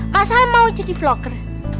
mas al mau jadi vlogger